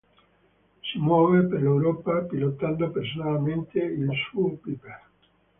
Si muove per l'Europa pilotando personalmente il suo Piper.